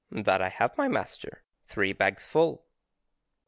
"_ "That I have, my Master, _Three bags full."